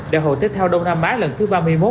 để hội thích theo đông nam á lần thứ ba mươi một